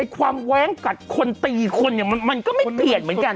ความแว้งกัดคนตีคนมันก็ไม่เปลี่ยนเหมือนกัน